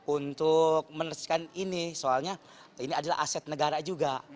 untuk meneruskan ini soalnya ini adalah aset negara juga